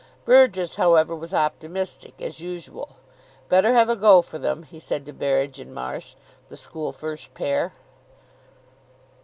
Burgess, however, was optimistic, as usual. "Better have a go for them," he said to Berridge and Marsh, the school first pair.